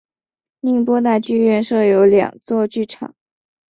宁波大剧院设有两座剧场。